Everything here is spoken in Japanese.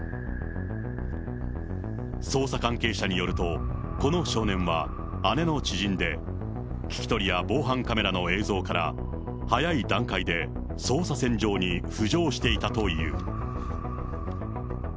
捜査関係者によると、この少年は姉の知人で、聞き取りや防犯カメラの映像から、早い段階で捜査線上に浮上していたという。